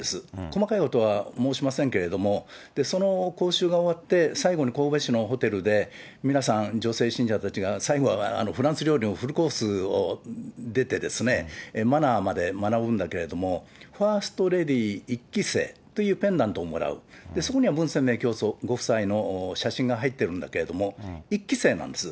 細かいことは申しませんけれども、その講習が終わって、最後に神戸市のホテルで、皆さん女性信者たちが、最後はフランス料理のフルコースを出て、マナーまで学ぶんだけれども、ファーストレディー１期生というペンダントをもらう、そこには文鮮明教祖ご夫妻の写真が入ってるんだけれども、１期生なんです。